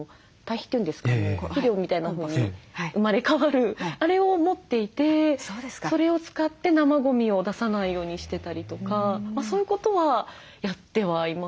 肥料みたいなのに生まれ変わるあれを持っていてそれを使って生ゴミを出さないようにしてたりとかそういうことはやってはいますね。